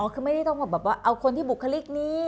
คือไม่ต้องเอาคนที่บุคลิกนี้